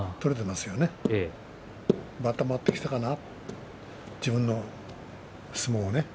まとまってきたかなと自分の相撲をね